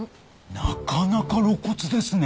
なかなか露骨ですね。